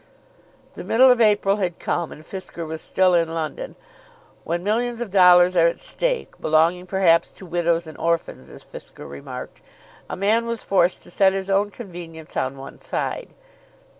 The middle of April had come, and Fisker was still in London. When millions of dollars are at stake, belonging perhaps to widows and orphans, as Fisker remarked, a man was forced to set his own convenience on one side.